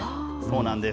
そうなんです。